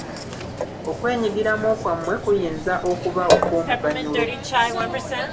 Okwenyigiramu kwammwe kuyinza okuba okw'omuganyulo.